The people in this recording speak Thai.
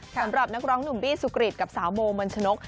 สำหรับนักร้องหนุ่มบี้สุกริตกับสาวโบมัญชนก